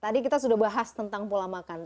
tadi kita sudah bahas tentang pola makan